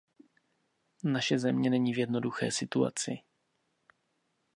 Naše země není v jednoduché situaci.